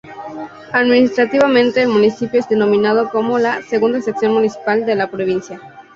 Administrativamente, el municipio es denominado como la "segunda sección municipal" de la provincia.